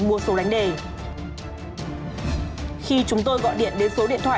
số còn lại khi chúng thì chuyển sau